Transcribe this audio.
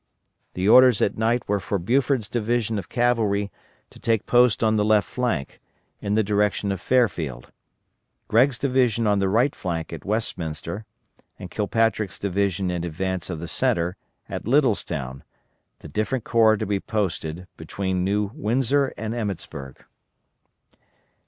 The orders at night were for Buford's division of cavalry to take post on the left flank, in the direction of Fairfield; Gregg's division on the right flank at Westminster; and Kilpatrick's division in advance of the centre, at Littlestown, the different corps to be posted between New Windsor and Emmetsburg.